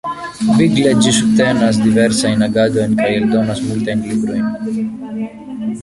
Vigle ĝi subtenas diversajn agadojn kaj eldonas multajn librojn.